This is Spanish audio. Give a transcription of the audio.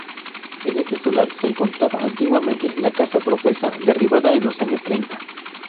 En este solar se encontraba antiguamente la Casa Profesa, derribada en los años treinta.